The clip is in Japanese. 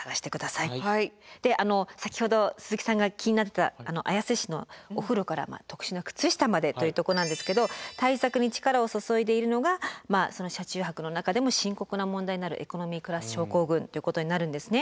で先ほど鈴木さんが気になってた綾瀬市のお風呂から特殊な靴下までというとこなんですけど対策に力を注いでいるのが車中泊の中でも深刻な問題になるエコノミークラス症候群ということになるんですね。